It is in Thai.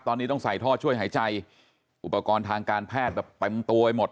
ตอนนี้ต้องใส่ท่อช่วยหายใจอุปกรณ์ทางการแพทย์แบบเต็มตัวไปหมด